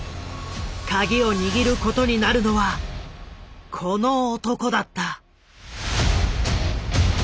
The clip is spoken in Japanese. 鍵を握ることになるのはこの男だった。